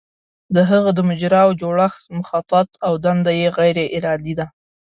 د هغه د مجراوو جوړښت مخطط او دنده یې غیر ارادي ده.